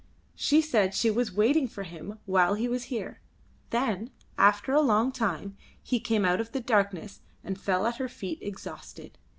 She said she was waiting for him while he was here; then, after a long time, he came out of the darkness and fell at her feet exhausted.